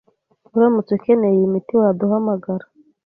Uramutse ukeneye iyi miti waduhamagara